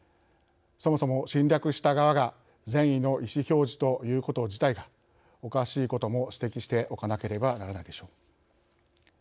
そもそも侵略した側が善意の意思表示と言うこと自体がおかしいことも指摘しておかなければならないでしょう。